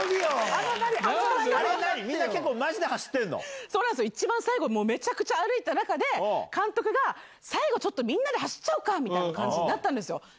あれは何、みんなマジで走っそうなんですよ、一番最後めちゃくちゃ歩いた中で、監督が最後ちょっと、みんなで走っちゃおうかみたいな感じになったんですよ。